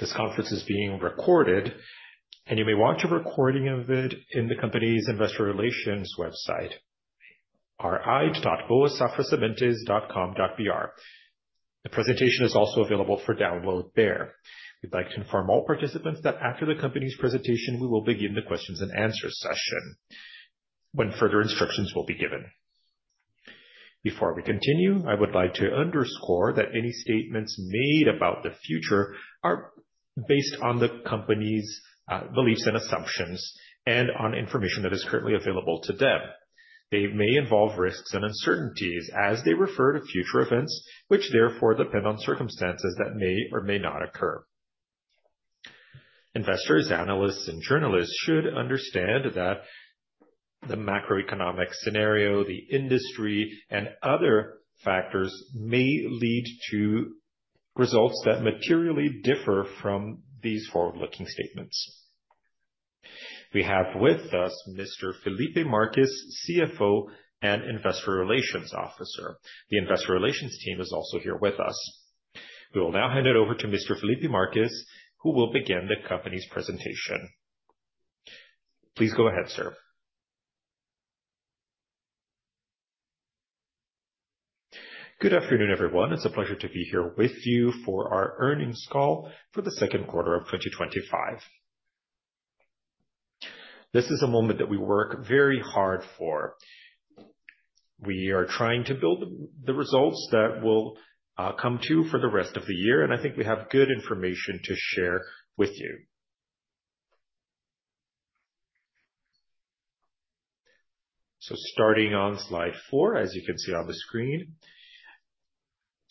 This conference is being recorded, and you may watch a recording of it in the company's investor relations website, ri.boasafrasementes.com.br. The presentation is also available for download there. We'd like to inform all participants that after the company's presentation, we will begin the questions and answers session when further instructions will be given. Before we continue, I would like to underscore that any statements made about the future are based on the company's beliefs and assumptions and on information that is currently available to them. They may involve risks and uncertainties as they refer to future events, which therefore depend on circumstances that may or may not occur. Investors, analysts, and journalists should understand that the macroeconomic scenario, the industry, and other factors may lead to results that materially differ from these forward-looking statements. We have with us Mr. Felipe Marques, CFO and Investor Relations Officer. The Investor Relations team is also here with us. We will now hand it over to Mr. Felipe Marques, who will begin the company's presentation. Please go ahead, sir. Good afternoon, everyone. It's a pleasure to be here with you for our Earnings Call for the Second Quarter of 2025. This is a moment that we work very hard for. We are trying to build the results that will come to for the rest of the year, and I think we have good information to share with you. Starting on slide four, as you can see on the screen,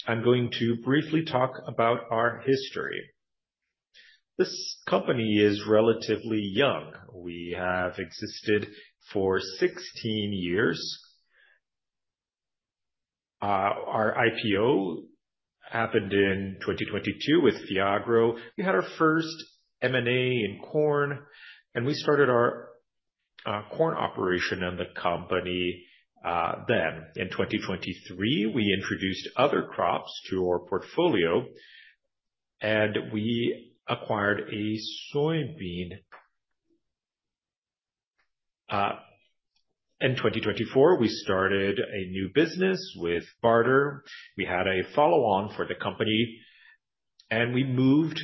I'm going to briefly talk about our history. This company is relatively young. We have existed for 16 years. Our IPO happened in 2022 with Fiagro. We had our first M&A in corn, and we started our corn operation in the company. In 2023, we introduced other crops to our portfolio, and we acquired a soybean. In 2024, we started a new business with Barter. We had a follow-on for the company, and we moved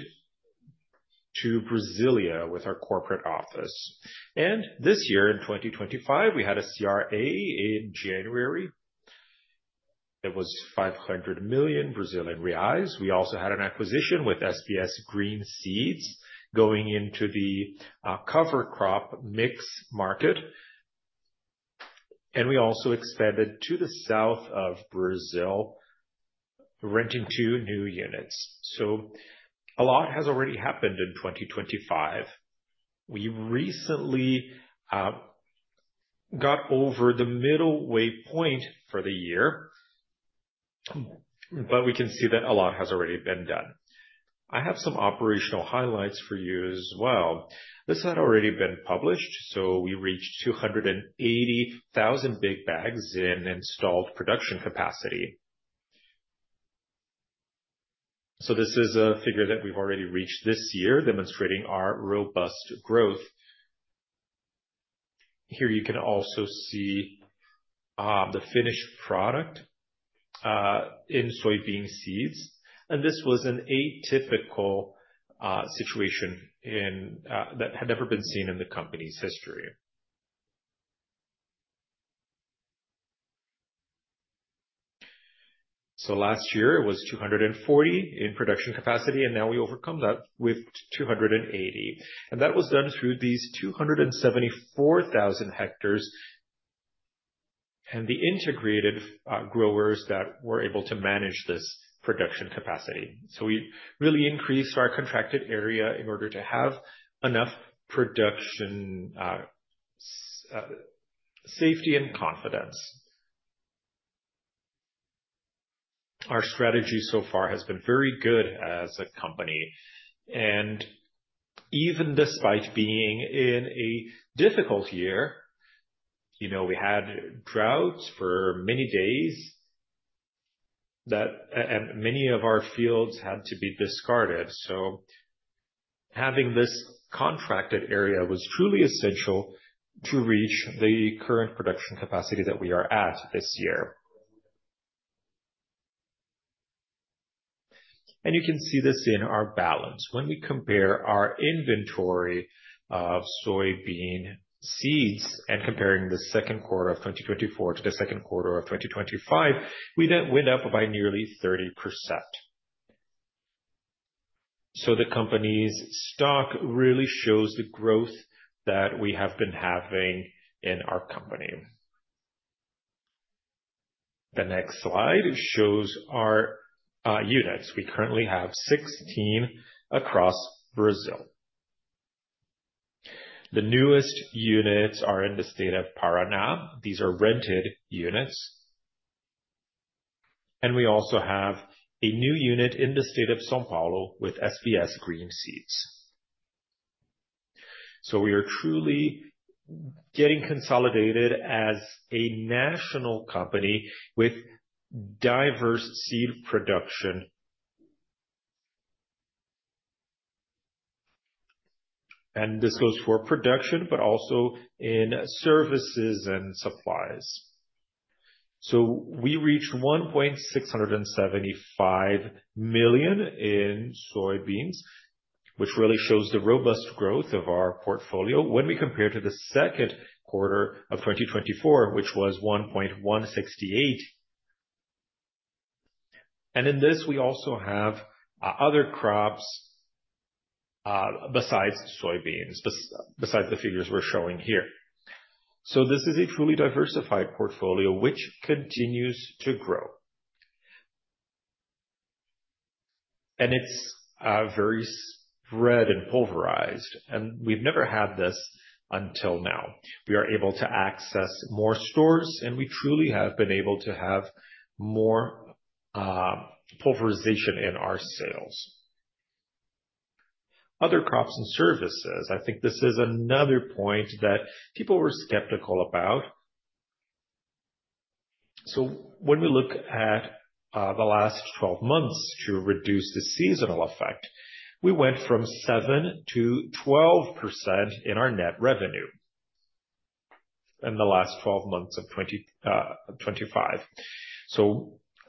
to Brasilia with our corporate office. This year, in 2025, we had a CRA in January. It was 500 million Brazilian reais. We also had an acquisition with SBS Green Seeds going into the cover crop mixes market. We also expanded to the south of Brazil, renting two new units. A lot has already happened in 2025. We recently got over the middle way point for the year, but we can see that a lot has already been done. I have some operational highlights for you as well. This had already been published, so we reached 280,000 big bags in installed production capacity. This is a figure that we've already reached this year, demonstrating our robust growth. Here, you can also see the finished product in soybean seeds. This was an atypical situation that had never been seen in the company's history. Last year, it was 240 in production capacity, and now we overcome that with 280. That was done through these 274,000 hectares and the integrated growers that were able to manage this production capacity. We really increased our contracted area in order to have enough production safety and confidence. Our strategy so far has been very good as a company, and even despite being in a difficult year, you know, we had droughts for many days and many of our fields had to be discarded. Having this contracted area was truly essential to reach the current production capacity that we are at this year. You can see this in our balance. When we compare our inventory of soybean seeds and comparing the second quarter of 2024 to the second quarter of 2025, we then went up by nearly 30%. The company's stock really shows the growth that we have been having in our company. The next slide shows our units. We currently have 16 across Brazil. The newest units are in the state of Paraná. These are rented units. We also have a new unit in the state of São Paulo with SBS Green Seeds. We are truly getting consolidated as a national company with diverse seed production. This goes for production, but also in services and supplies. We reached 1.675 million in soybeans, which really shows the robust growth of our portfolio when we compare to the second quarter of 2024, which was 1.168 million. In this, we also have other crops besides soybeans, besides the figures we're showing here. This is a truly diversified portfolio which continues to grow. It's very spread and pulverized, and we've never had this until now. We are able to access more stores, and we truly have been able to have more pulverization in our sales. Other crops and services, I think this is another point that people were skeptical about. When we look at the last 12 months to reduce the seasonal effect, we went from 7%-12% in our net revenue in the last 12 months of 2025.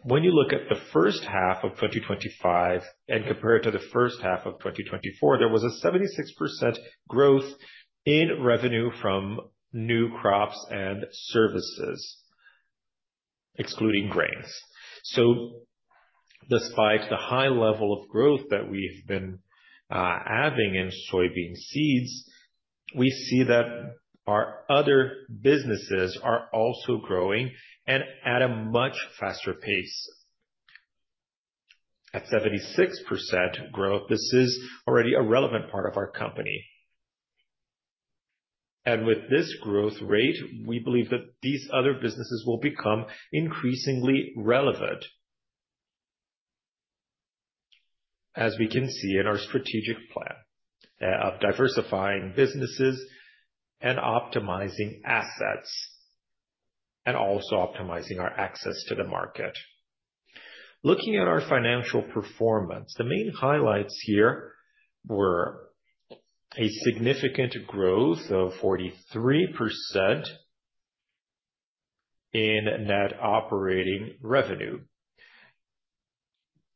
When you look at the first half of 2025 and compare it to the first half of 2024, there was a 76% growth in revenue from new crops and services, excluding grains. Despite the high level of growth that we've been having in soybean seeds, we see that our other businesses are also growing and at a much faster pace. At 76% growth, this is already a relevant part of our company. With this growth rate, we believe that these other businesses will become increasingly relevant, as we can see in our strategic plan, diversifying businesses and optimizing assets and also optimizing our access to the market. Looking at our financial performance, the main highlights here were a significant growth of 43% in net operating revenue.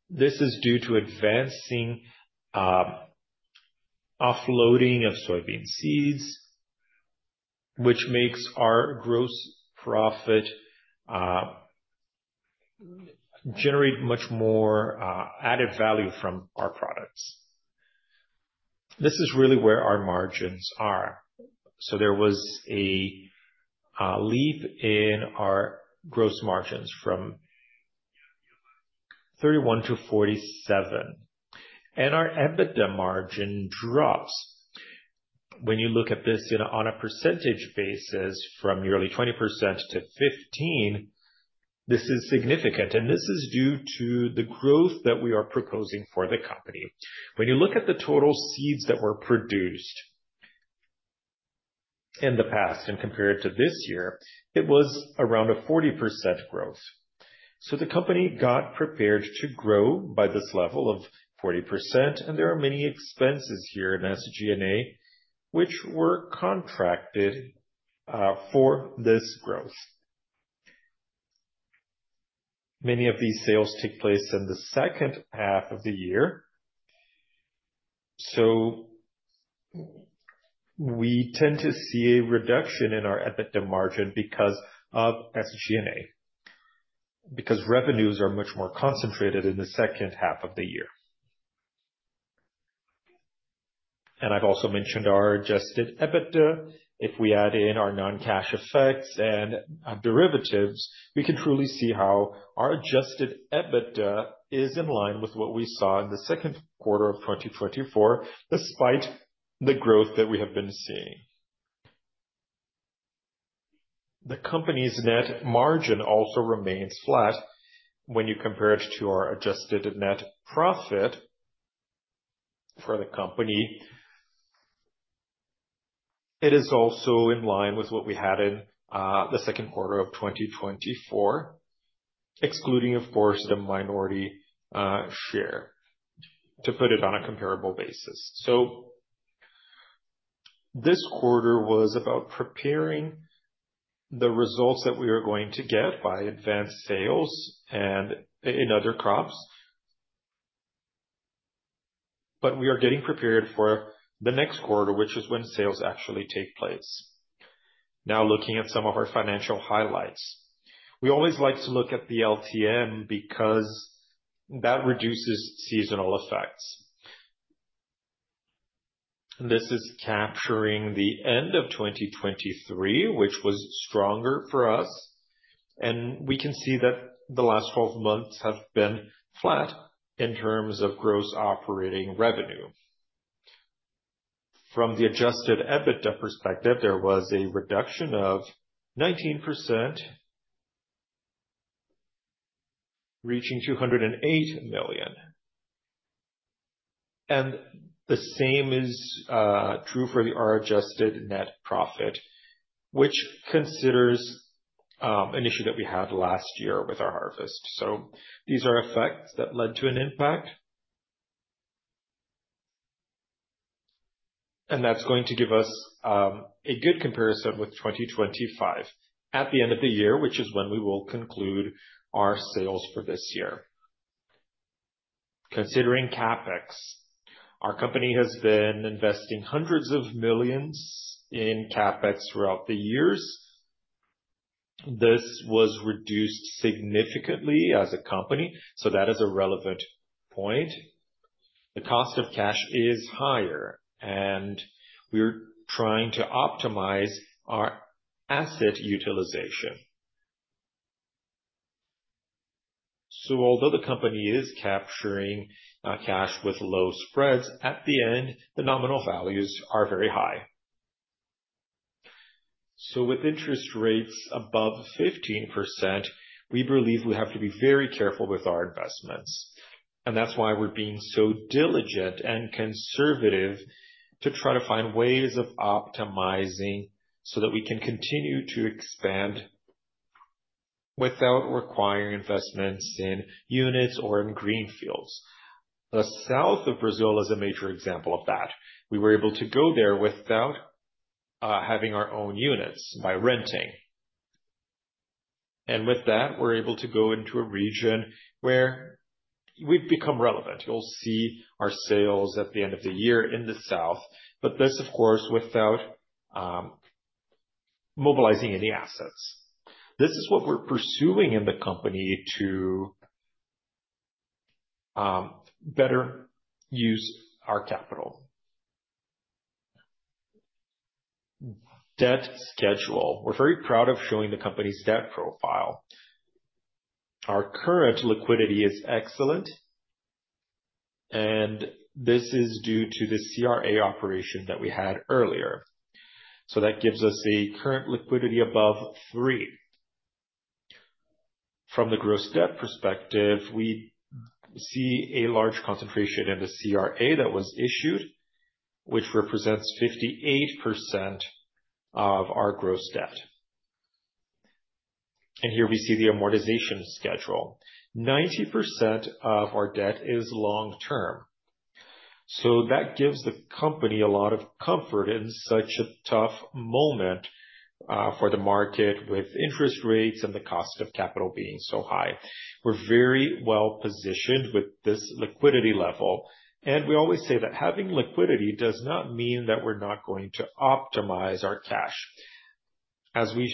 This is due to advancing offloading of soybean seeds, which makes our gross profit generate much more added value from our products. This is really where our margins are. There was a leap in our gross margins from 31%-47%. Our EBITDA margin drops. When you look at this on a percentage basis from nearly 20%-15%, this is significant. This is due to the growth that we are proposing for the company. When you look at the total seeds that were produced in the past and compared to this year, it was around a 40% growth. The company got prepared to grow by this level of 40%. There are many expenses here in SG&A, which were contracted for this growth. Many of these sales take place in the second half of the year. We tend to see a reduction in our EBITDA margin because of SG&A, because revenues are much more concentrated in the second half of the year. I've also mentioned our adjusted EBITDA. If we add in our non-cash effects and derivatives, we can truly see how our adjusted EBITDA is in line with what we saw in the second quarter of 2024, despite the growth that we have been seeing. The company's net margin also remains flat when you compare it to our adjusted net profit for the company. It is also in line with what we had in the second quarter of 2024, excluding, of course, the minority share to put it on a comparable basis. This quarter was about preparing the results that we are going to get by advanced sales and in other crops. We are getting prepared for the next quarter, which is when sales actually take place. Now, looking at some of our financial highlights, we always like to look at the LTM because that reduces seasonal effects. This is capturing the end of 2023, which was stronger for us. We can see that the last 12 months have been flat in terms of gross operating revenue. From the adjusted EBITDA perspective, there was a reduction of 19%, reaching 208 million. The same is true for our adjusted net profit, which considers an issue that we had last year with our harvest. These are effects that led to an impact. That is going to give us a good comparison with 2025 at the end of the year, which is when we will conclude our sales for this year. Considering CapEx, our company has been investing hundreds of millions in CapEx throughout the years. This was reduced significantly as a company, so that is a relevant point. The cost of cash is higher, and we're trying to optimize our asset utilization. Although the company is capturing cash with low spreads, at the end, the nominal values are very high. With interest rates above 15%, we believe we have to be very careful with our investments. That is why we're being so diligent and conservative to try to find ways of optimizing so that we can continue to expand without requiring investments in units or in greenfields. The south of Brazil is a major example of that. We were able to go there without having our own units by renting. With that, we're able to go into a region where we've become relevant. You'll see our sales at the end of the year in the south, but this, of course, without mobilizing any assets. This is what we're pursuing in the company to better use our capital. Debt schedule, we're very proud of showing the company's debt profile. Our current liquidity is excellent, and this is due to the CRA operation that we had earlier. That gives us a current liquidity above 3%. From the gross debt perspective, we see a large concentration in the CRA that was issued, which represents 58% of our gross debt. Here we see the amortization schedule. 90% of our debt is long-term. That gives the company a lot of comfort in such a tough moment for the market with interest rates and the cost of capital being so high. We're very well positioned with this liquidity level, and we always say that having liquidity does not mean that we're not going to optimize our cash. As we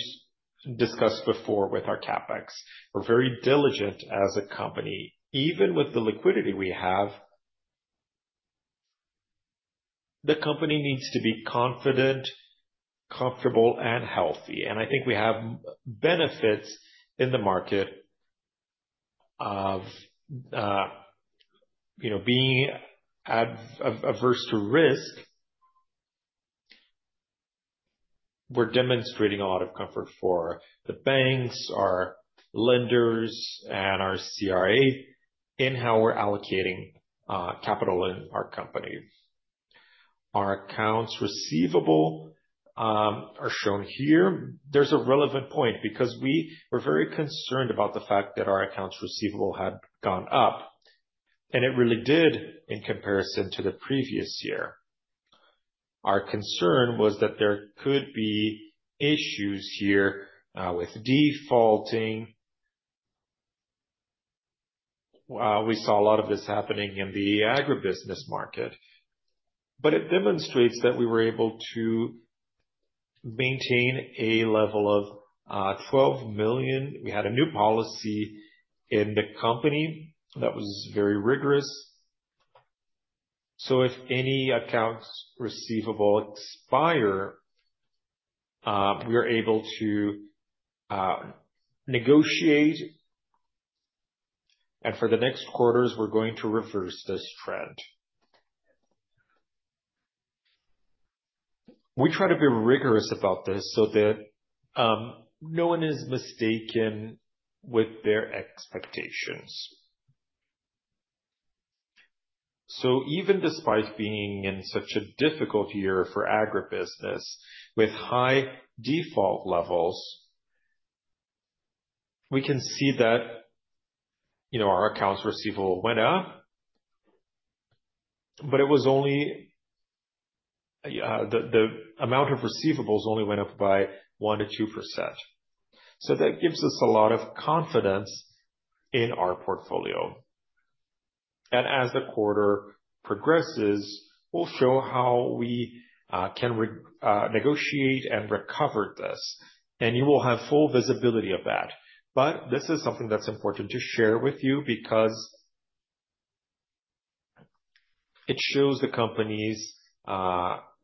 discussed before with our CapEx, we're very diligent as a company. Even with the liquidity we have, the company needs to be confident, comfortable, and healthy. I think we have benefits in the market of being averse to risk. We're demonstrating a lot of comfort for the banks, our lenders, and our CRA in how we're allocating capital in our company. Our accounts receivable are shown here. There's a relevant point because we were very concerned about the fact that our accounts receivable had gone up, and it really did in comparison to the previous year. Our concern was that there could be issues here with defaulting. We saw a lot of this happening in the agribusiness market. It demonstrates that we were able to maintain a level of 12 million. We had a new policy in the company that was very rigorous. If any accounts receivable expire, we are able to negotiate. For the next quarters, we're going to reverse this trend. We try to be rigorous about this so that no one is mistaken with their expectations. Even despite being in such a difficult year for agribusiness with high default levels, we can see that our accounts receivable went up, but the amount of receivables only went up by 1%-2%. That gives us a lot of confidence in our portfolio. As the quarter progresses, we'll show how we can negotiate and recover this. You will have full visibility of that. This is something that's important to share with you because it shows the company's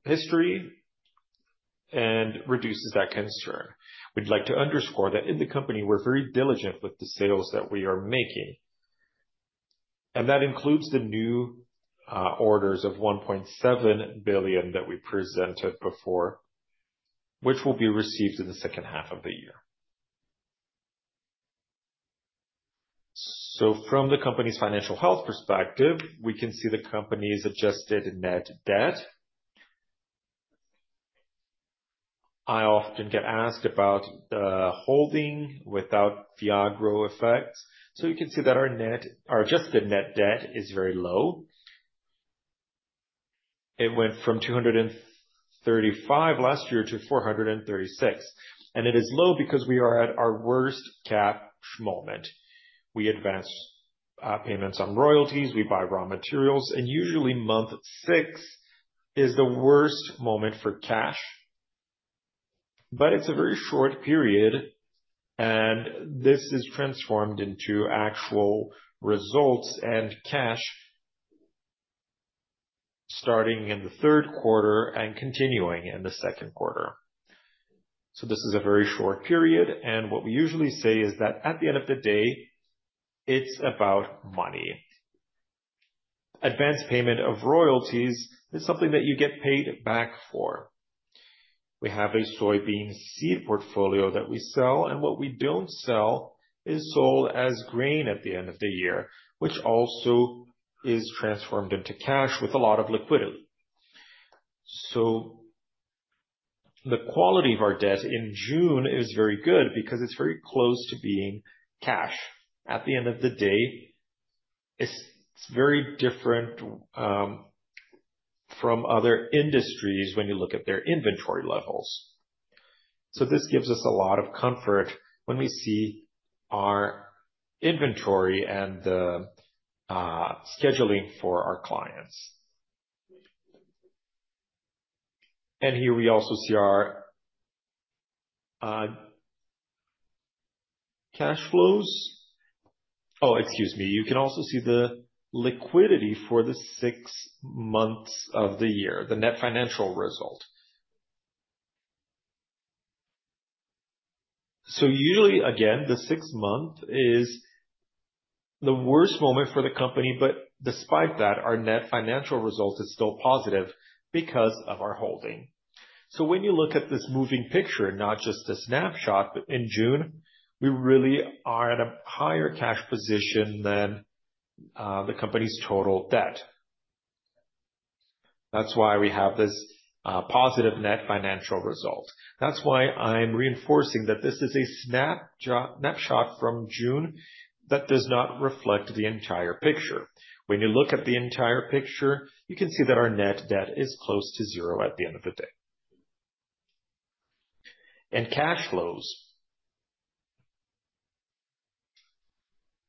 history and reduces that concern. We'd like to underscore that in the company, we're very diligent with the sales that we are making. That includes the new orders of 1.7 billion that we presented before, which will be received in the second half of the year. From the company's financial health perspective, we can see the company's adjusted net debt. I often get asked about the holding without Fiagro effects. You can see that our adjusted net debt is very low. It went from 235 million last year to 436 million. It is low because we are at our worst cash moment. We advance payments on royalties, we buy raw materials, and usually month six is the worst moment for cash. It's a very short period, and this is transformed into actual results and cash starting in the third quarter and continuing in the second quarter. This is a very short period, and what we usually say is that at the end of the day, it's about money. Advance payment of royalties is something that you get paid back for. We have a soybean seed portfolio that we sell, and what we don't sell is sold as grain at the end of the year, which also is transformed into cash with a lot of liquidity. The quality of our debt in June is very good because it's very close to being cash. At the end of the day, it's very different from other industries when you look at their inventory levels. This gives us a lot of comfort when we see our inventory and the scheduling for our clients. Here we also see our cash flows. Excuse me, you can also see the liquidity for the six months of the year, the net financial result. Usually, again, the sixth month is the worst moment for the company, but despite that, our net financial results are still positive because of our holding. When you look at this moving picture, not just a snapshot, but in June, we really are at a higher cash position than the company's total debt. That's why we have this positive net financial result. That's why I'm reinforcing that this is a snapshot from June that does not reflect the entire picture. When you look at the entire picture, you can see that our net debt is close to zero at the end of the day. Cash flows,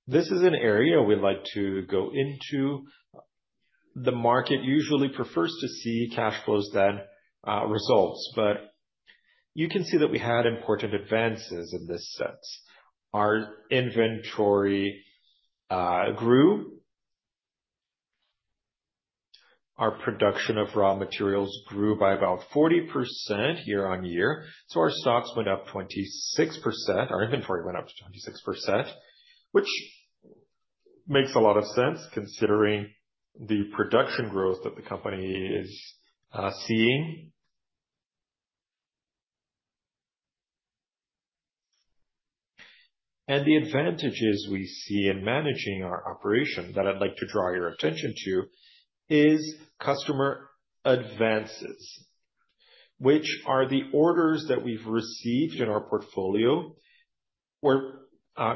this is an area we like to go into. The market usually prefers to see cash flows than results, but you can see that we had important advances in this sense. Our inventory grew, our production of raw materials grew by about 40% year-on-year. Our stocks went up 26%, our inventory went up 26%, which makes a lot of sense considering the production growth that the company is seeing. The advantages we see in managing our operation that I'd like to draw your attention to is customer advances, which are the orders that we've received in our portfolio where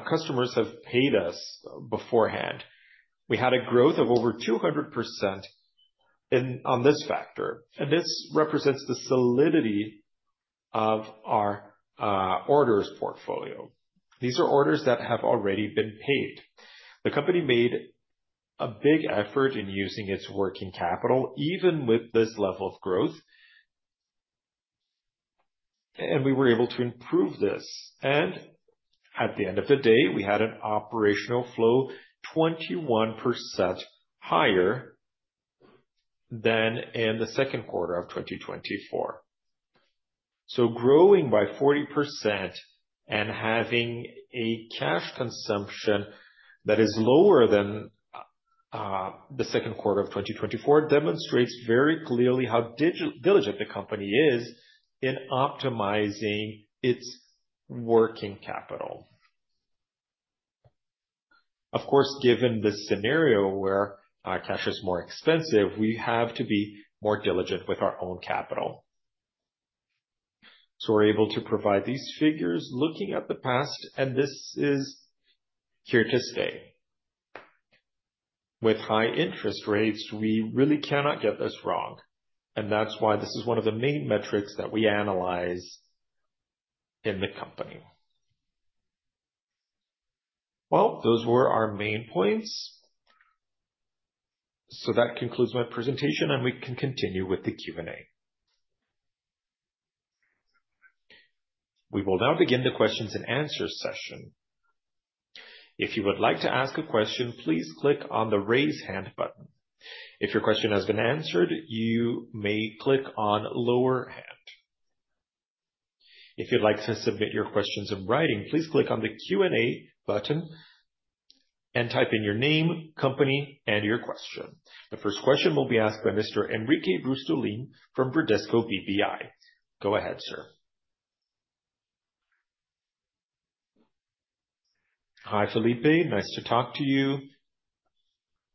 customers have paid us beforehand. We had a growth of over 200% on this factor, and this represents the solidity of our orders portfolio. These are orders that have already been paid. The company made a big effort in using its working capital, even with this level of growth, and we were able to improve this. At the end of the day, we had an operational flow 21% higher than in the second quarter of 2024. Growing by 40% and having a cash consumption that is lower than the second quarter of 2024 demonstrates very clearly how diligent the company is in optimizing its working capital. Of course, given this scenario where cash is more expensive, we have to be more diligent with our own capital. We're able to provide these figures looking at the past, and this is here to stay. With high interest rates, we really cannot get this wrong. That's why this is one of the main metrics that we analyze in the company. Those were our main points. That concludes my presentation, and we can continue with the Q&A. We will now begin the questions and answers session. If you would like to ask a question, please click on the raise hand button. If your question has been answered, you may click on lower hand. If you'd like to submit your questions in writing, please click on the Q&A button and type in your name, company, and your question. The first question will be asked by Mr. Henrique Brustolin from Bradesco BBI. Go ahead, sir. Hi, Felipe. Nice to talk to you.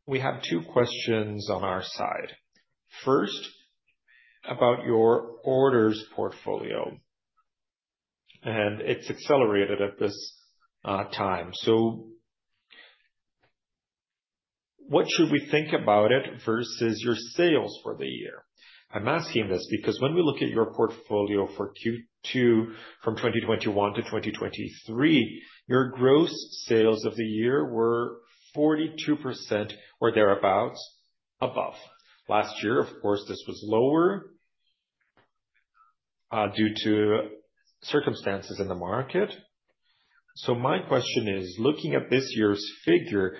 We have two questions on our side. First, about your orders portfolio, and it's accelerated at this time. What should we think about it versus your sales for the year? I'm asking this because when we look at your portfolio for Q2 from 2021-2023, your gross sales of the year were 42% or thereabouts above. Last year, of course, this was lower due to circumstances in the market. My question is, looking at this year's figure,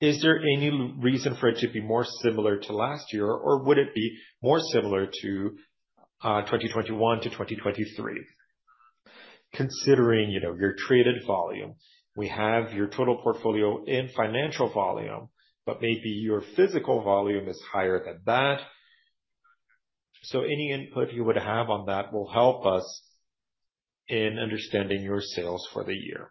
is there any reason for it to be more similar to last year, or would it be more similar to 2021-2023? Considering your traded volume, we have your total portfolio in financial volume, but maybe your physical volume is higher than that. Any input you would have on that will help us in understanding your sales for the year.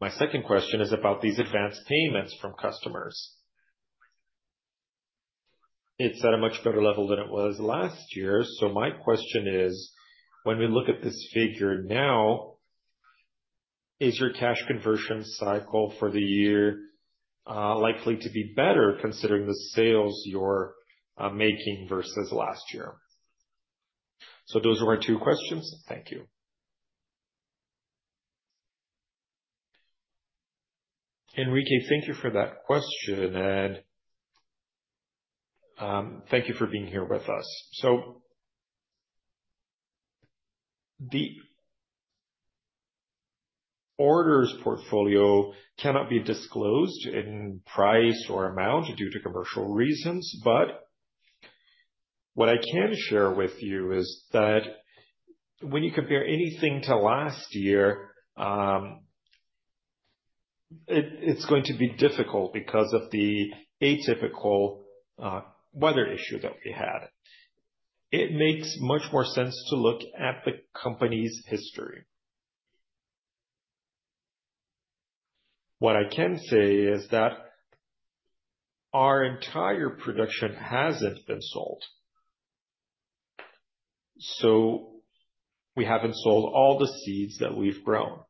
My second question is about these advanced payments from customers. It's at a much better level than it was last year. My question is, when we look at this figure now, is your cash conversion cycle for the year likely to be better considering the sales you're making versus last year? Those are our two questions. Thank you. Henrique, thank you for that question, and thank you for being here with us. The orders portfolio cannot be disclosed in price or amount due to commercial reasons, but what I can share with you is that when you compare anything to last year, it's going to be difficult because of the atypical weather issue that we had. It makes much more sense to look at the company's history. What I can say is that our entire production hasn't been sold. We haven't sold all the seeds that we've grown.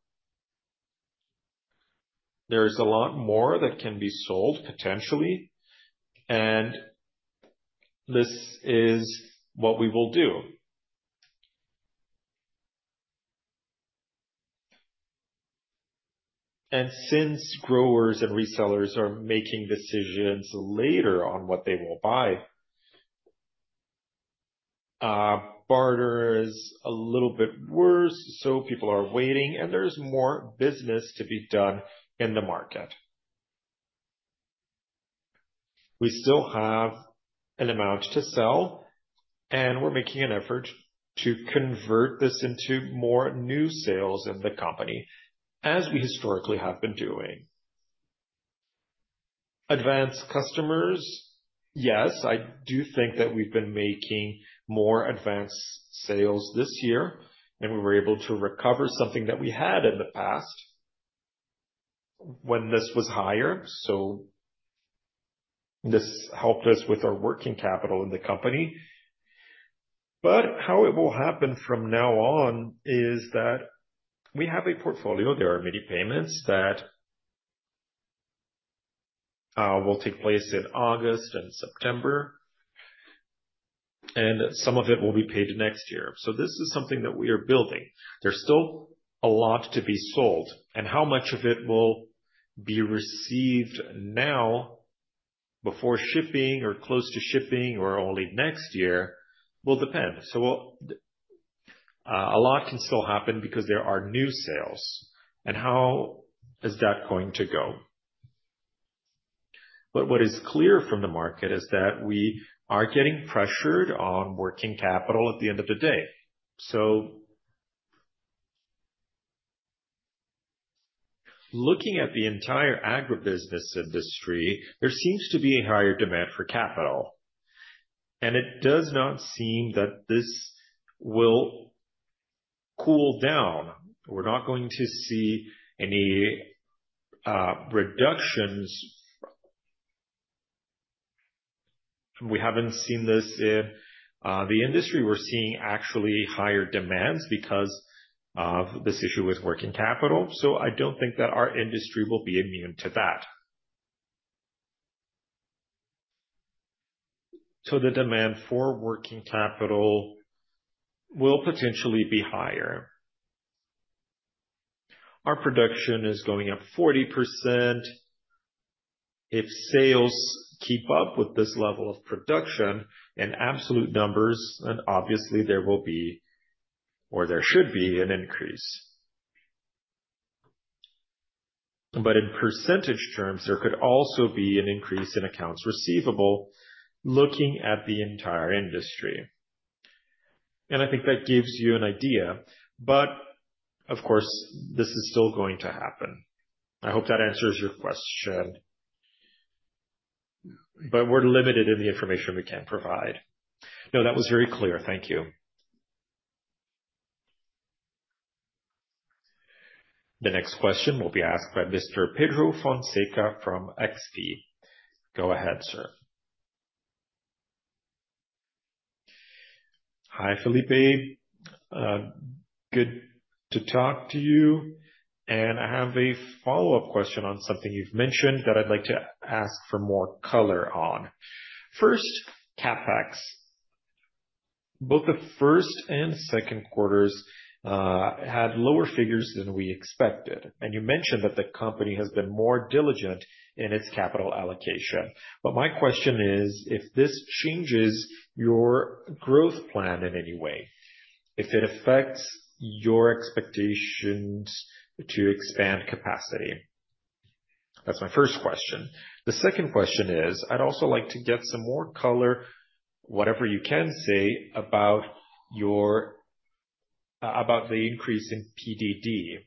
There is a lot more that can be sold potentially, and this is what we will do. Since growers and resellers are making decisions later on what they will buy, Barter is a little bit worse, so people are waiting, and there's more business to be done in the market. We still have an amount to sell, and we're making an effort to convert this into more new sales in the company, as we historically have been doing. Advanced customers, yes, I do think that we've been making more advanced sales this year, and we were able to recover something that we had in the past when this was higher. This helped us with our working capital in the company. How it will happen from now on is that we have a portfolio. There are many payments that will take place in August and September, and some of it will be paid next year. This is something that we are building. There's still a lot to be sold, and how much of it will be received now before shipping or close to shipping or only next year will depend. A lot can still happen because there are new sales, and how is that going to go? What is clear from the market is that we are getting pressured on working capital at the end of the day. Looking at the entire agribusiness industry, there seems to be a higher demand for capital, and it does not seem that this will cool down. We're not going to see any reductions. We haven't seen this in the industry. We're seeing actually higher demands because of this issue with working capital. I don't think that our industry will be immune to that. The demand for working capital will potentially be higher. Our production is going up 40%. If sales keep up with this level of production and absolute numbers, then obviously there will be, or there should be, an increase. In percentage terms, there could also be an increase in accounts receivable looking at the entire industry. I think that gives you an idea. Of course, this is still going to happen. I hope that answers your question, but we're limited in the information we can provide. No, that was very clear. Thank you. The next question will be asked by Mr. Pedro Fonseca from XP. Go ahead, sir. Hi, Felipe. Good to talk to you. I have a follow-up question on something you've mentioned that I'd like to ask for more color on. First, CapEx. Both the first and second quarters had lower figures than we expected. You mentioned that the company has been more diligent in its capital allocation. My question is if this changes your growth plan in any way, if it affects your expectations to expand capacity. That's my first question. The second question is I'd also like to get some more color, whatever you can say about the increase in PDD.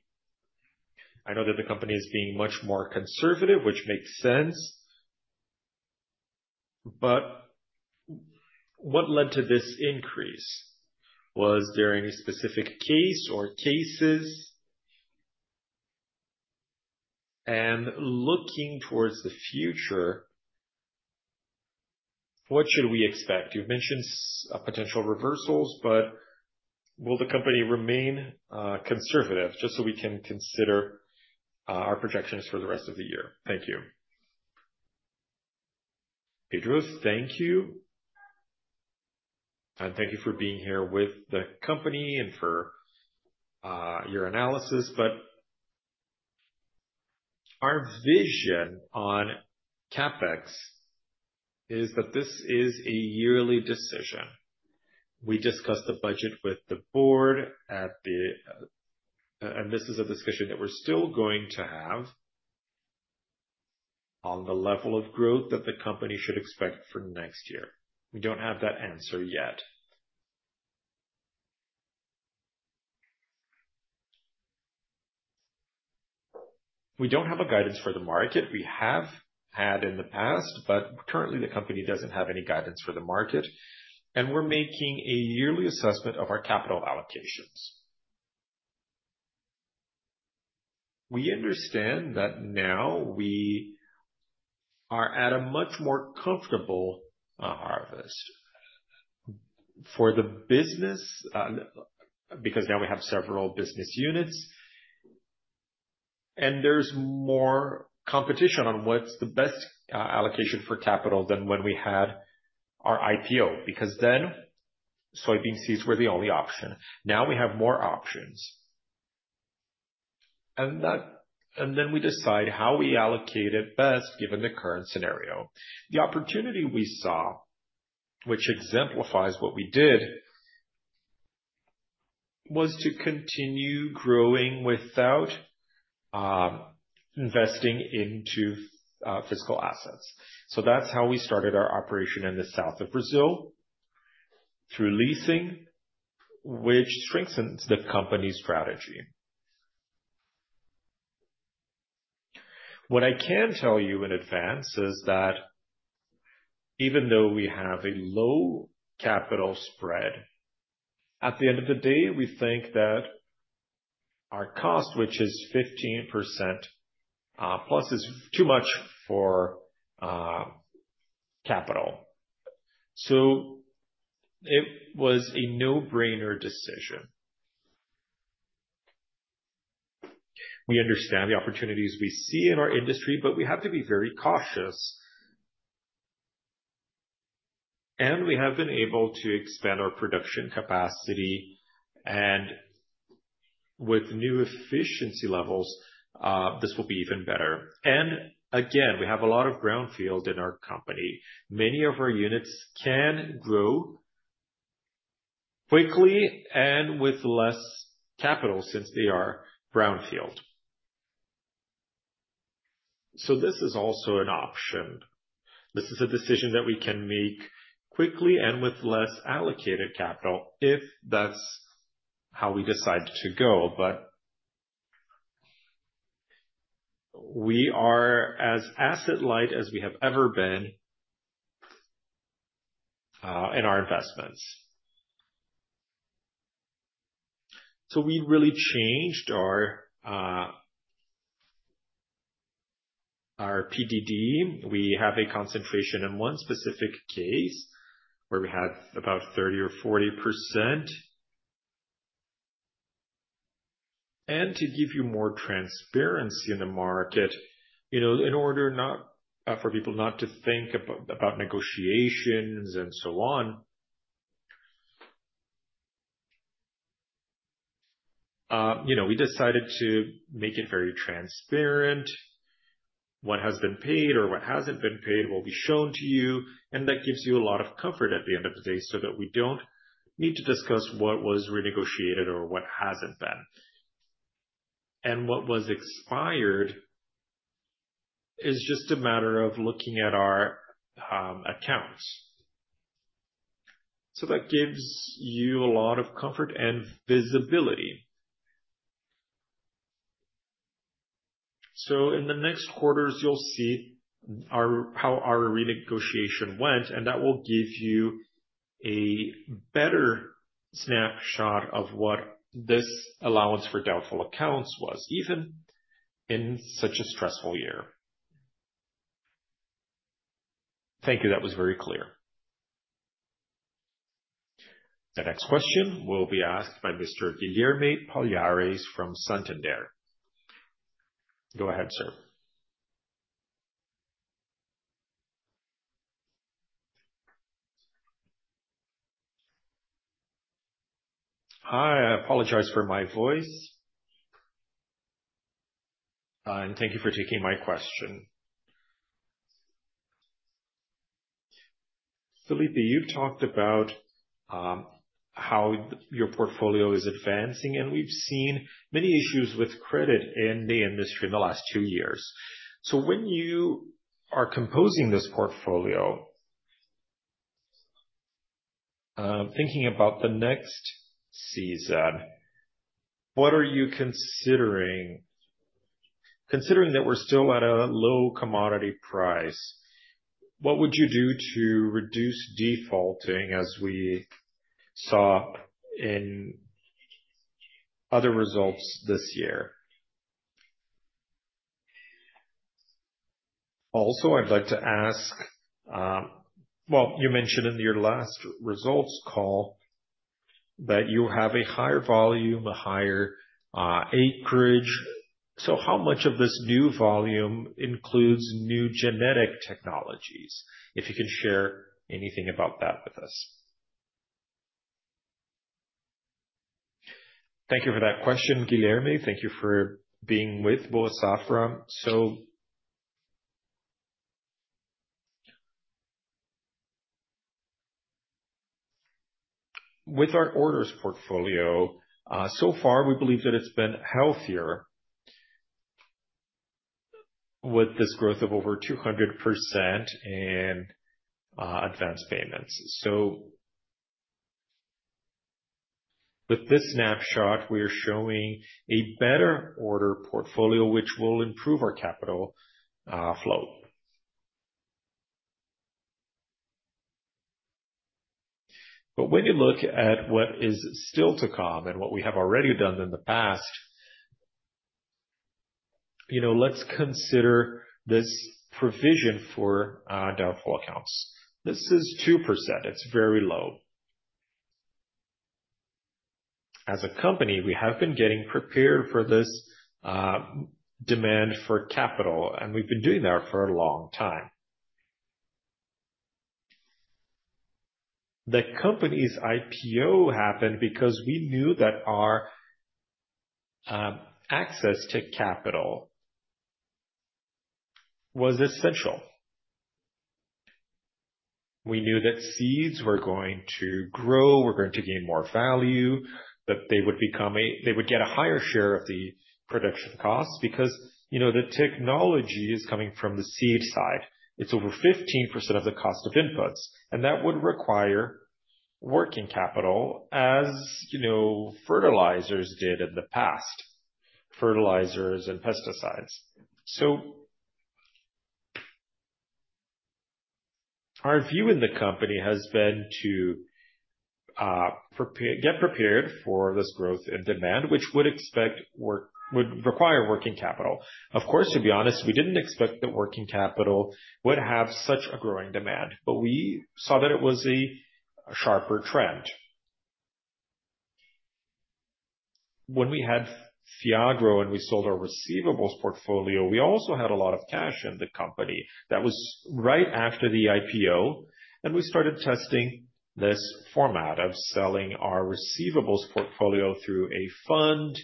I know that the company is being much more conservative, which makes sense. What led to this increase? Was there any specific case or cases? Looking towards the future, what should we expect? You've mentioned potential reversals, but will the company remain conservative just so we can consider our projections for the rest of the year? Thank you. Pedro, thank you. Thank you for being here with the company and for your analysis. Our vision on CapEx is that this is a yearly decision. We discussed the budget with the board, and this is a discussion that we're still going to have on the level of growth that the company should expect for next year. We don't have that answer yet. We don't have a guidance for the market. We have had in the past, but currently the company doesn't have any guidance for the market. We're making a yearly assessment of our capital allocations. We understand that now we are at a much more comfortable harvest for the business because now we have several business units. There's more competition on what's the best allocation for capital than when we had our IPO because then soybean seeds were the only option. Now we have more options. We decide how we allocate it best given the current scenario. The opportunity we saw, which exemplifies what we did, was to continue growing without investing into physical assets. That's how we started our operation in the south of Brazil through leasing, which strengthens the company's strategy. What I can tell you in advance is that even though we have a low capital spread, at the end of the day, we think that our cost, which is 15%+, is too much for capital. It was a no-brainer decision. We understand the opportunities we see in our industry, but we have to be very cautious. We have been able to expand our production capacity. With new efficiency levels, this will be even better. We have a lot of brownfield in our company. Many of our units can grow quickly and with less capital since they are brownfield. This is also an option. This is a decision that we can make quickly and with less allocated capital if that's how we decide to go. We are as asset light as we have ever been in our investments. We really changed our PDD. We have a concentration in one specific case where we had about 30% or 40%. To give you more transparency in the market, in order for people not to think about negotiations and so on, we decided to make it very transparent. What has been paid or what hasn't been paid will be shown to you. That gives you a lot of comfort at the end of the day so that we don't need to discuss what was renegotiated or what hasn't been. What was expired is just a matter of looking at our accounts. That gave you a lot of comfort and visibility. In the next quarters, you'll see how our renegotiation went, and that will give you a better snapshot of what this allowance for doubtful accounts was, even in such a stressful year. Thank you. That was very clear. The next question will be asked by Mr. Guillerme Palhares from Santander. Go ahead, sir. Hi, I apologize for my voice. Thank you for taking my question. Felipe, you've talked about how your portfolio is advancing, and we've seen many issues with credit in the industry in the last two years. When you are composing this portfolio, thinking about the next season, what are you considering? Considering that we're still at a low commodity price, what would you do to reduce defaulting as we saw in other results this year? I'd like to ask, you mentioned in your last results call that you have a higher volume, a higher acreage. How much of this new volume includes new genetic technologies? If you can share anything about that with us. Thank you for that question, Guillerme. Thank you for being with Boas Safra. With our order portfolio, so far we believe that it's been healthier with this growth of over 200% in advanced payments. With this snapshot, we are showing a better order portfolio, which will improve our capital flow. When you look at what is still to come and what we have already done in the past, let's consider this provision for doubtful accounts. This is 2%. It's very low. As a company, we have been getting prepared for this demand for capital, and we've been doing that for a long time. The company's IPO happened because we knew that our access to capital was essential. We knew that seeds were going to grow, were going to gain more value, that they would get a higher share of the production costs because the technology is coming from the seed side. It's over 15% of the cost of inputs, and that would require working capital as, you know, fertilizers did in the past, fertilizers and pesticides. Our view in the company has been to get prepared for this growth in demand, which would require working capital. Of course, to be honest, we didn't expect that working capital would have such a growing demand, but we saw that it was a sharper trend. When we had Fiagro and we sold our receivables portfolio, we also had a lot of cash in the company. That was right after the IPO, and we started testing this format of selling our receivables portfolio through a fund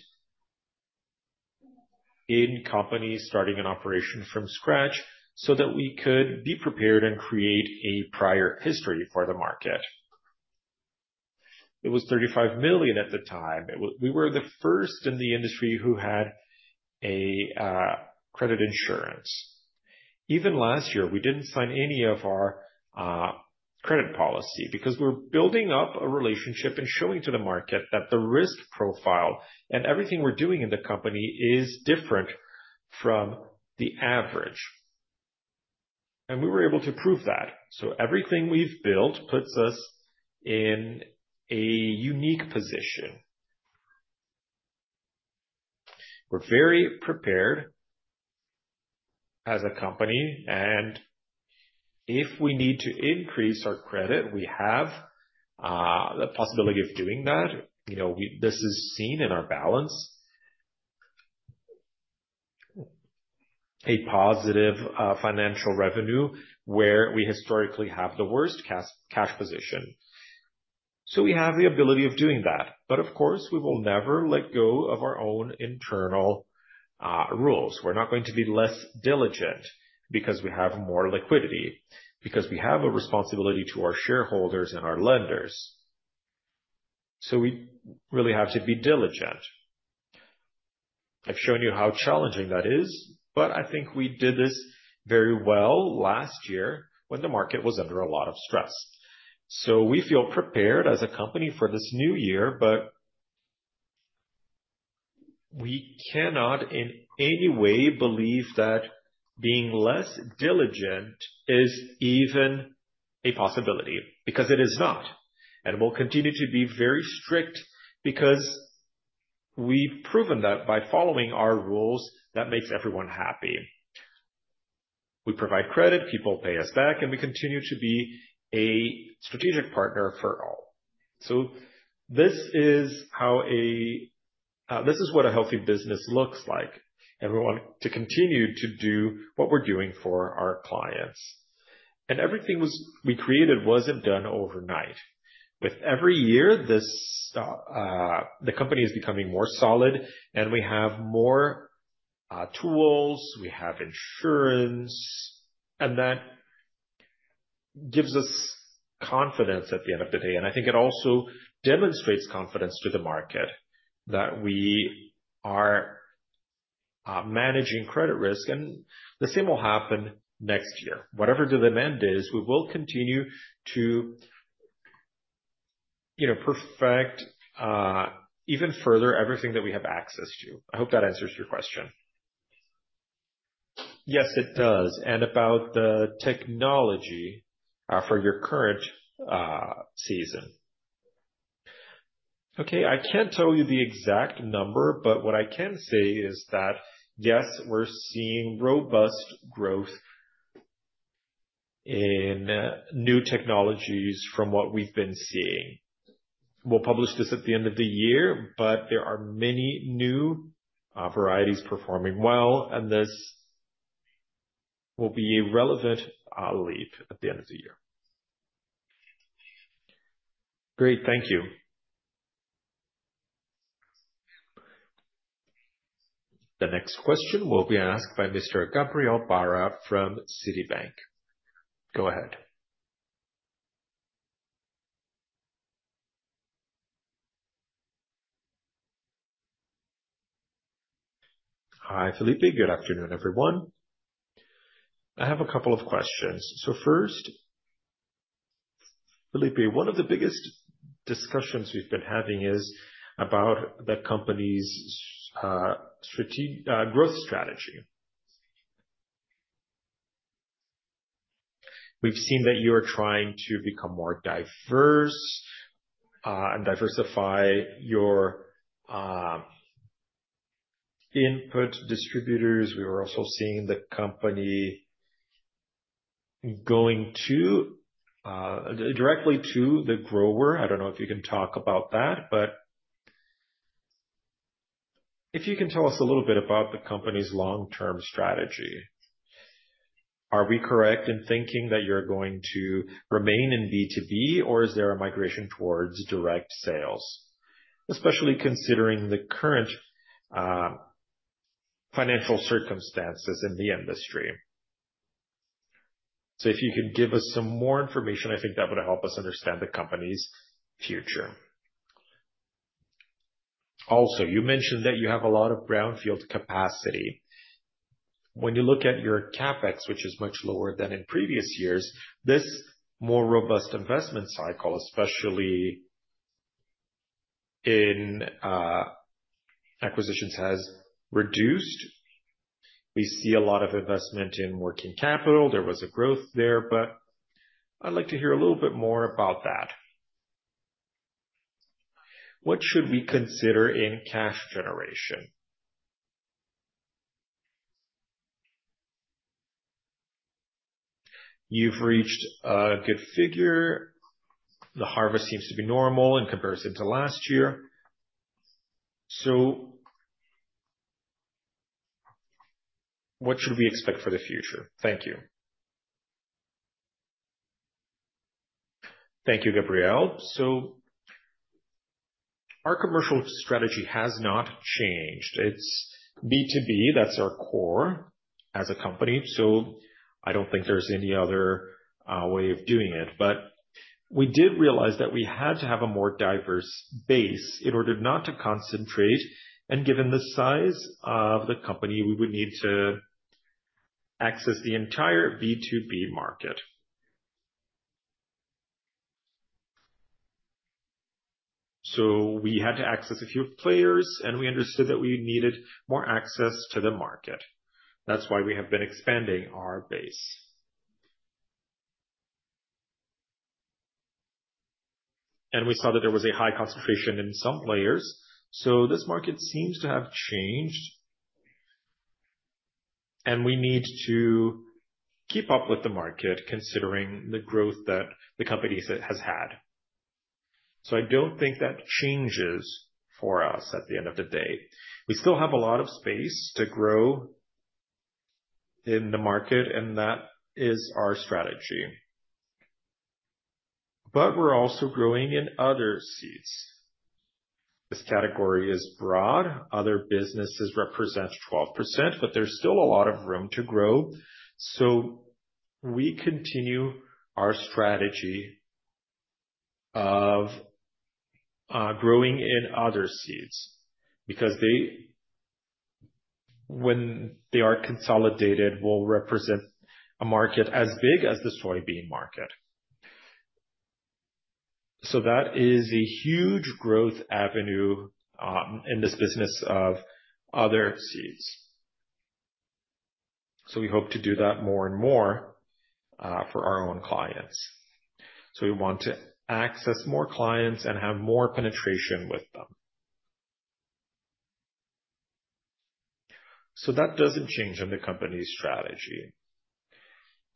in companies starting an operation from scratch so that we could be prepared and create a prior history for the market. It was 35 million at the time. We were the first in the industry who had a credit insurance. Even last year, we didn't sign any of our credit policy because we're building up a relationship and showing to the market that the risk profile and everything we're doing in the company is different from the average. We were able to prove that. Everything we've built puts us in a unique position. We're very prepared as a company, and if we need to increase our credit, we have the possibility of doing that. This is seen in our balance, a positive financial revenue where we historically have the worst cash position. We have the ability of doing that. Of course, we will never let go of our own internal rules. We're not going to be less diligent because we have more liquidity, because we have a responsibility to our shareholders and our lenders. We really have to be diligent. I've shown you how challenging that is, but I think we did this very well last year when the market was under a lot of stress. We feel prepared as a company for this new year, but we cannot in any way believe that being less diligent is even a possibility because it is not. We will continue to be very strict because we've proven that by following our rules, that makes everyone happy. We provide credit, people pay us back, and we continue to be a strategic partner for all. This is what a healthy business looks like. We want to continue to do what we're doing for our clients. Everything we created wasn't done overnight. With every year, the company is becoming more solid, and we have more tools, we have insurance, and that gives us confidence at the end of the day. I think it also demonstrates confidence to the market that we are managing credit risk, and the same will happen next year. Whatever the demand is, we will continue to perfect even further everything that we have access to. I hope that answers your question. Yes, it does. About the technology for your current season, I can't tell you the exact number, but what I can say is that, yes, we're seeing robust growth in new technologies from what we've been seeing. We'll publish this at the end of the year, but there are many new varieties performing well, and this will be a relevant leap at the end of the year. Great, thank you. The next question will be asked by Mr. Gabriel Barra from Citibank. Go ahead. Hi, Felipe. Good afternoon, everyone. I have a couple of questions. First, Felipe, one of the biggest discussions we've been having is about the company's growth strategy. We've seen that you are trying to become more diverse and diversify your input distributors. We were also seeing the company going directly to the grower. I don't know if you can talk about that, but if you can tell us a little bit about the company's long-term strategy. Are we correct in thinking that you're going to remain in B2B, or is there a migration towards direct sales, especially considering the current financial circumstances in the industry? If you can give us some more information, I think that would help us understand the company's future. Also, you mentioned that you have a lot of brownfield capacity. When you look at your CapEx, which is much lower than in previous years, this more robust investment cycle, especially in acquisitions, has reduced. We see a lot of investment in working capital. There was a growth there, but I'd like to hear a little bit more about that. What should we consider in cash generation? You've reached a good figure. The harvest seems to be normal in comparison to last year. What should we expect for the future? Thank you. Thank you, Gabriel. Our commercial strategy has not changed. It's B2B. That's our core as a company. I don't think there's any other way of doing it. We did realize that we had to have a more diverse base in order not to concentrate. Given the size of the company, we would need to access the entire B2B market. We had to access a few players, and we understood that we needed more access to the market. That's why we have been expanding our base. We saw that there was a high concentration in some players. This market seems to have changed, and we need to keep up with the market considering the growth that the company has had. I don't think that changes for us at the end of the day. We still have a lot of space to grow in the market, and that is our strategy. We're also growing in other seeds. This category is broad. Other businesses represent 12%, but there's still a lot of room to grow. We continue our strategy of growing in other seeds because they, when they are consolidated, will represent a market as big as the soybean market. That is a huge growth avenue in this business of other seeds. We hope to do that more and more for our own clients. We want to access more clients and have more penetration with them. That doesn't change in the company's strategy.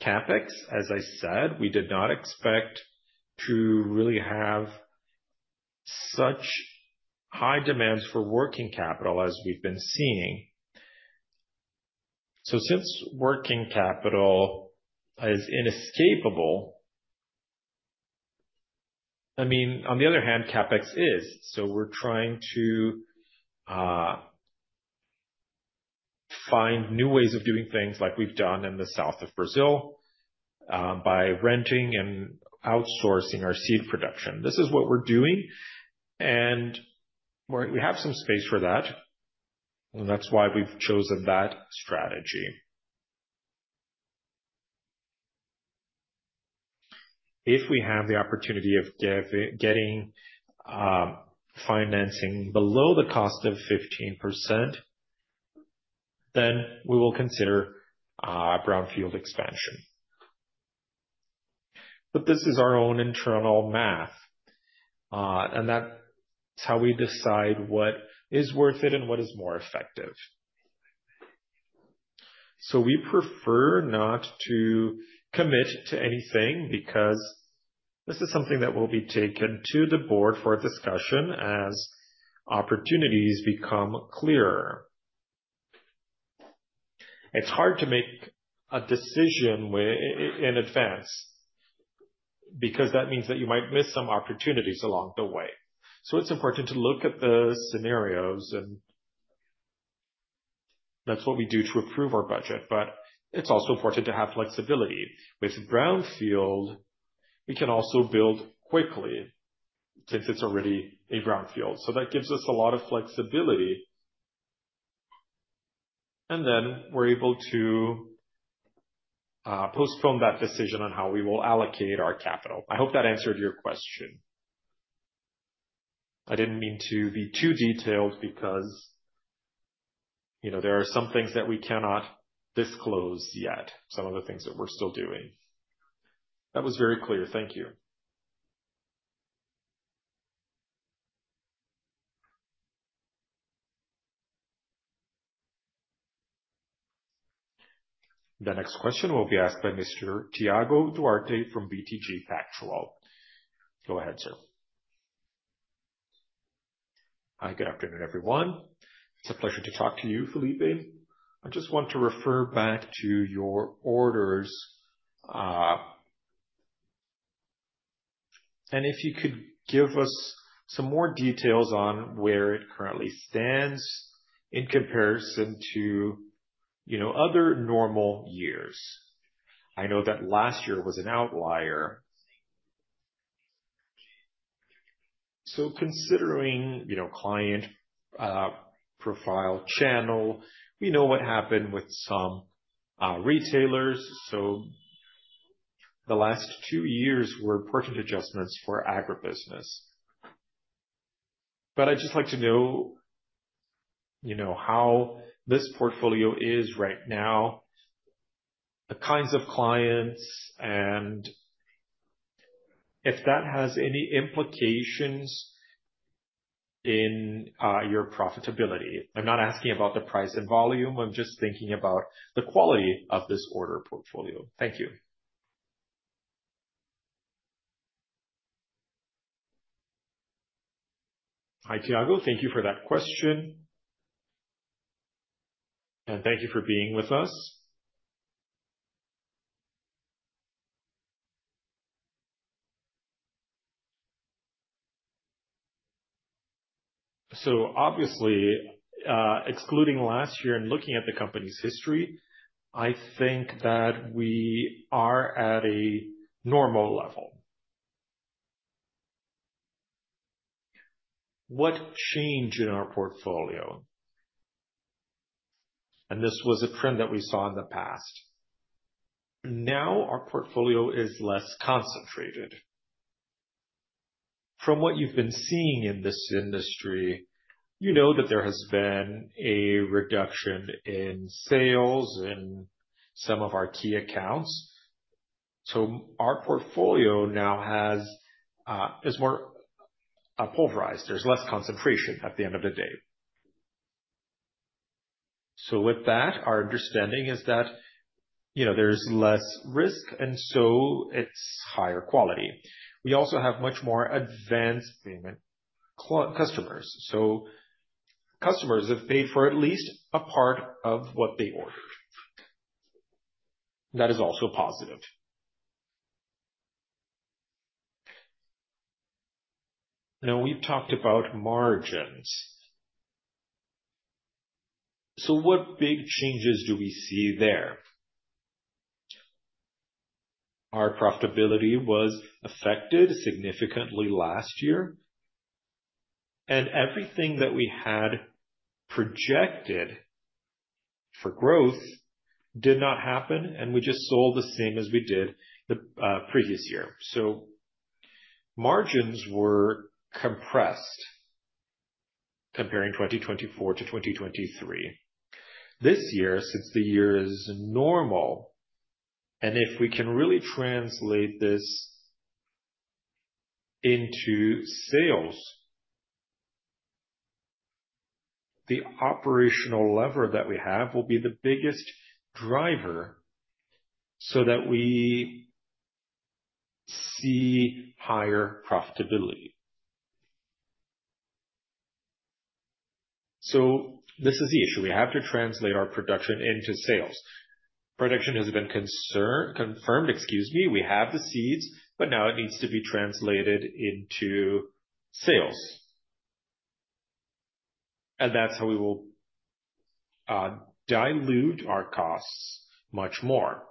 CapEx, as I said, we did not expect to really have such high demands for working capital as we've been seeing. Since working capital is inescapable, on the other hand, CapEx is. We're trying to find new ways of doing things like we've done in the south of Brazil by renting and outsourcing our seed production. This is what we're doing, and we have some space for that. That's why we've chosen that strategy. If we have the opportunity of getting financing below the cost of 15%, then we will consider brownfield expansion. This is our own internal math, and that's how we decide what is worth it and what is more effective. We prefer not to commit to anything because this is something that will be taken to the board for discussion as opportunities become clearer. It's hard to make a decision in advance because that means that you might miss some opportunities along the way. It's important to look at the scenarios, and that's what we do to approve our budget. It's also important to have flexibility. With brownfield, we can also build quickly since it's already a brownfield. That gives us a lot of flexibility. We're able to postpone that decision on how we will allocate our capital. I hope that answered your question. I didn't mean to be too detailed because, you know, there are some things that we cannot disclose yet, some of the things that we're still doing. That was very clear. Thank you. The next question will be asked by Mr. Thiago Duarte from BTG Pactual. Go ahead, sir. Hi, good afternoon, everyone. It's a pleasure to talk to you, Felipe. I just want to refer back to your orders. If you could give us some more details on where it currently stands in comparison to other normal years. I know that last year was an outlier. Considering client profile channel, we know what happened with some retailers. The last two years were important adjustments for agribusiness. I'd just like to know how this portfolio is right now, the kinds of clients, and if that has any implications in your profitability. I'm not asking about the price and volume. I'm just thinking about the quality of this order portfolio. Thank you. Hi, Thiago. Thank you for that question, and thank you for being with us. Obviously, excluding last year and looking at the company's history, I think that we are at a normal level. What changed in our portfolio, and this was a trend that we saw in the past, now our portfolio is less concentrated. From what you've been seeing in this industry, you know that there has been a reduction in sales in some of our key accounts. Our portfolio now is more pulverized. There's less concentration at the end of the day. With that, our understanding is that there's less risk, and so it's higher quality. We also have much more advanced payment customers, so customers have paid for at least a part of what they order. That is also positive. Now, we've talked about margins. What big changes do we see there? Our profitability was affected significantly last year, and everything that we had projected for growth did not happen, and we just sold the same as we did the previous year. Margins were compressed comparing 2024-2023. This year, since the year is normal, and if we can really translate this into sales, the operational lever that we have will be the biggest driver so that we see higher profitability. This is the issue. We have to translate our production into sales. Production has been confirmed, excuse me, we have the seeds, but now it needs to be translated into sales. That's how we will dilute our costs much more.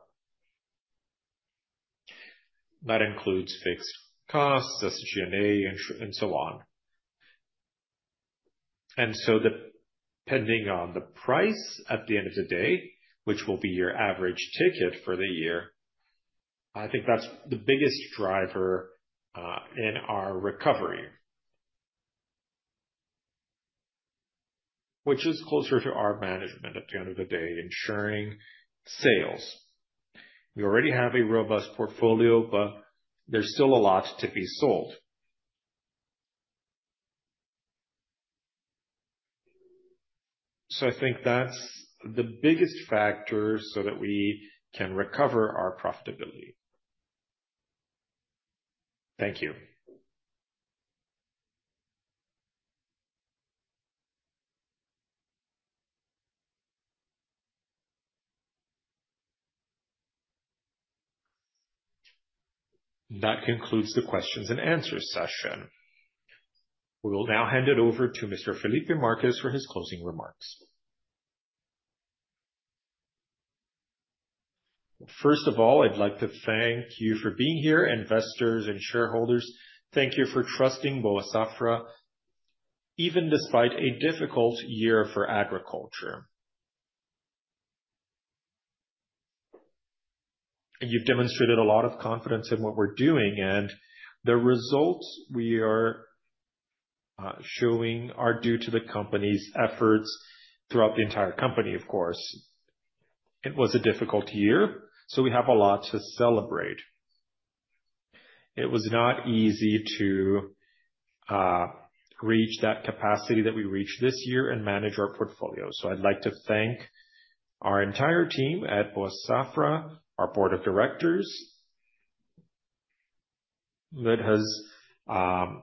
That includes fixed costs, SG&A, and so on. Depending on the price at the end of the day, which will be your average ticket for the year, I think that's the biggest driver in our recovery, which is closer to our management at the end of the day, ensuring sales. We already have a robust portfolio, but there's still a lot to be sold. I think that's the biggest factor so that we can recover our profitability. Thank you. That concludes the questions-and-answers session. We will now hand it over to Mr. Felipe Marques for his closing remarks. First of all, I'd like to thank you for being here, investors and shareholders. Thank you for trusting Boa Safra, even despite a difficult year for agriculture. You've demonstrated a lot of confidence in what we're doing, and the results we are showing are due to the company's efforts throughout the entire company, of course. It was a difficult year, so we have a lot to celebrate. It was not easy to reach that capacity that we reached this year and manage our portfolio. I'd like to thank our entire team at Boa Safra, our Board of Directors that has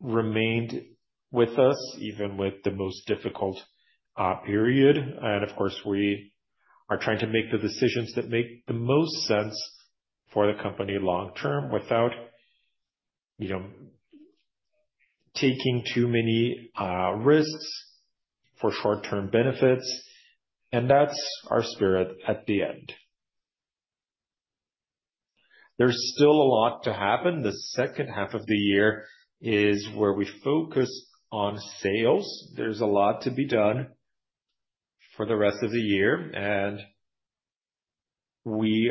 remained with us even with the most difficult period. Of course, we are trying to make the decisions that make the most sense for the company long term without taking too many risks for short-term benefits. That's our spirit at the end. There's still a lot to happen. The second half of the year is where we focus on sales. There's a lot to be done for the rest of the year, and we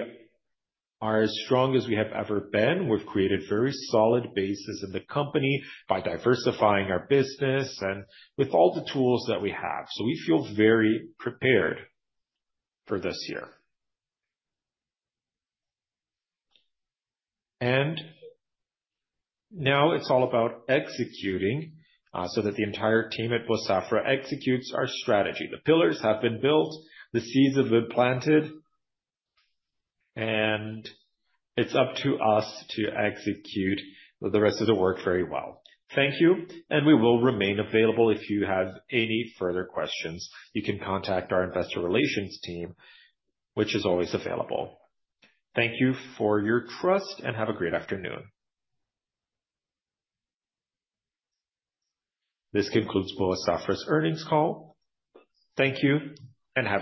are as strong as we have ever been. We've created very solid bases in the company by diversifying our business and with all the tools that we have. We feel very prepared for this year. Now it's all about executing so that the entire team at Boa Safra executes our strategy. The pillars have been built, the seeds have been planted, and it's up to us to execute the rest of the work very well. Thank you. We will remain available if you have any further questions. You can contact our Investor Relations team, which is always available. Thank you for your trust and have a great afternoon. This concludes Boa Safra's earnings call. Thank you and have.